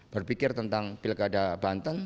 berpikir tentang pilkada banten